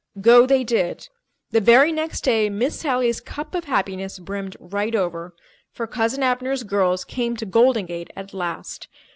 Go they did. The very next day Miss Sally's cup of happiness brimmed right over, for Cousin Abner's girls came to Golden Gate at last.